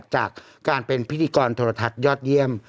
จากการเป็นพิธีกรโทรทัศน์ยอดเยี่ยม